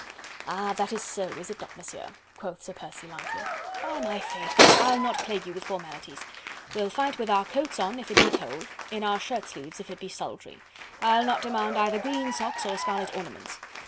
"Ah! that is so, is it not, Monsieur?" quoth Sir Percy lightly. "By my faith! I'll not plague you with formalities.... We'll fight with our coats on if it be cold, in our shirtsleeves if it be sultry.... I'll not demand either green socks or scarlet ornaments.